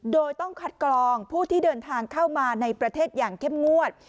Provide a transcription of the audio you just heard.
โดยต้องคัดกรองผู้ที่เดินทางเข้ามาในประเทศอย่างเข้มงวด